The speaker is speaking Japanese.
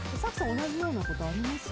同じようなことありますか？